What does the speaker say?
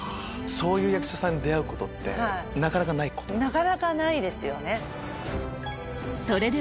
そういう役者に出会うことってなかなかないことですか？